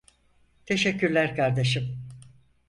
Teşekkürler kardeşim.